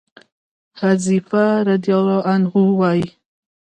حذيفه رضي الله عنه وايي: